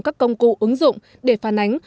các công cụ ứng dụng để phản ánh